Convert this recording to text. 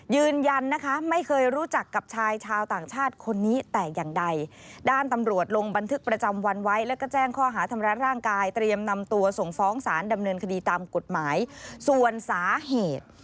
ยืนยันนะคะไม่เคยรู้จักกับชายชาวต่างชาติคนนี้แต่อย่างใดด้านตำรวจลงบันทึกประจำวันไว้แล้วก็แจ้งข้อหาทำร้ายร่างกายเตรียมนำตัวส่งฟ้องสารดำเนินคดีตามกฎหมายส่วนสาเหตุ